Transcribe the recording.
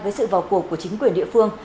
với sự vào cuộc của chính quyền địa phương